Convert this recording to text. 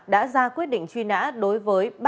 đã ra quyết định truy nã đối với